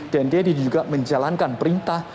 dan dia juga menjalankan perintah